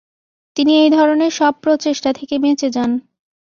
তিনি এই ধরনের সব প্রচেষ্টা থেকে বেঁচে যান।